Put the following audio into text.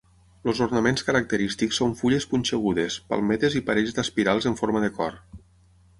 Els ornaments característics són fulles punxegudes, palmetes i parelles d'espirals en forma de cor.